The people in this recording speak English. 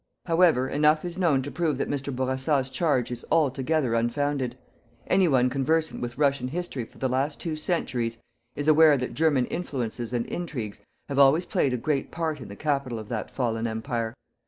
However, enough is known to prove that Mr. Bourassa's charge is altogether unfounded. Anyone conversant with Russian history for the two last centuries, is aware that German influences and intrigues have always played a great part in the Capital of that fallen Empire.